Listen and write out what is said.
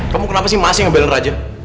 kamu kenapa sih masih ambilin raja